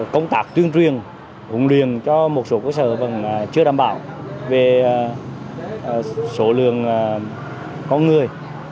công tác tuyên truyền huấn luyện cho một số cơ sở vẫn chưa đảm bảo về số lượng con người